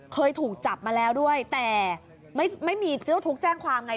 เคยถูกจับมาแล้วด้วยแต่ไม่มีเจ้าทุกข์แจ้งความไง